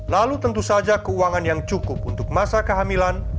lalu tentu saja keuangan yang cukup untuk masa kehamilan